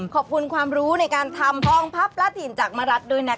ขอบคุณความรู้ในการทำทองพับและถิ่นจากมรัฐด้วยนะคะ